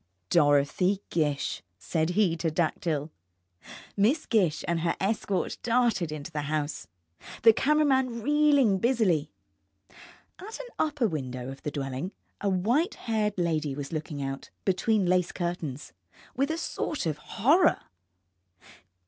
DOROTHY GISH, said he to Dactyl. Miss Gish and her escort darted into the house, the camera man reeling busily. At an upper window of the dwelling a white haired lady was looking out, between lace curtains, with a sort of horror.